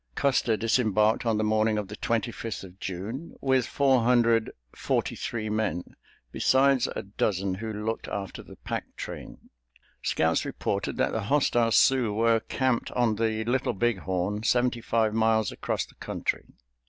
Custer disembarked on the morning of the Twenty fifth of June, with four hundred forty three men, besides a dozen who looked after the pack train. Scouts reported that the hostile Sioux were camped on the Little Big Horn, seventy five miles across the country.